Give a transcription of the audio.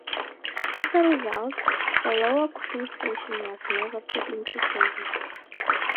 As a result, the Lower Queen Station was never put into service.